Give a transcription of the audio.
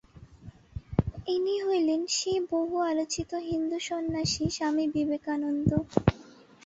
ইনি হইলেন সেই বহু-আলোচিত হিন্দু সন্ন্যাসী স্বামী বিবে কানন্দ।